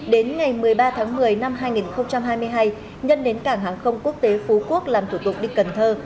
đến ngày một mươi ba tháng một mươi năm hai nghìn hai mươi hai nhân đến cảng hàng không quốc tế phú quốc làm thủ tục đi cần thơ